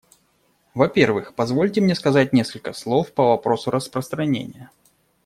Во-первых, позвольте мне сказать несколько слов по вопросу распространения.